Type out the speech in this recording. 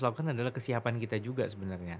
lakukan adalah kesiapan kita juga sebenarnya